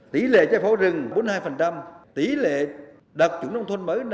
tỷ lệ chai phó rừng bốn mươi hai tỷ lệ đạt trưởng nông thôn mới năm mươi chín